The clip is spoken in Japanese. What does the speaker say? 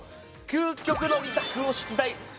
究極の２択を出題！